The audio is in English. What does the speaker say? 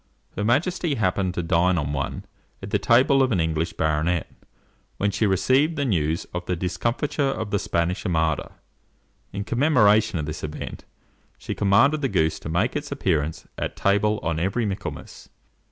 Her majesty happened to dine on one at the table of an English baronet, when she received the news of the discomfiture of the Spanish Armada. In commemoration of this event, she commanded the goose to make its appearance at table on every Michaelmas.